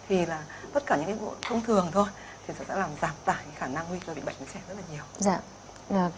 thì là tất cả những cái vụ thông thường thôi thì nó sẽ làm giảm tải khả năng huy cho bệnh của trẻ rất là nhiều